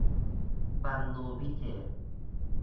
ฟังดูวิเศษ